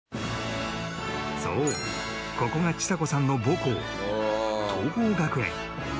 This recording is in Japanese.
そうここがちさ子さんの母校桐朋学園